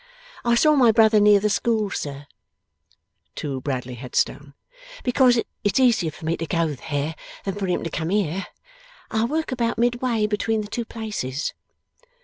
I saw my brother near the school, sir,' to Bradley Headstone, 'because it's easier for me to go there, than for him to come here. I work about midway between the two places.